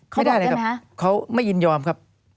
ไม่ได้อะไรครับเขาไม่ยินยอมครับ